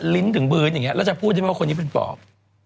ลิ้นถึงพื้นอย่างนี้แล้วจะพูดได้ไหมว่าคนนี้เป็นปอบ